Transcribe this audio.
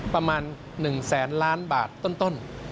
ประมาณ๑แสนล้านบาทต้น